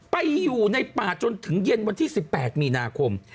ไปอยู่ในป่าจนถึงเย็นวันที่๑๘มีนาคม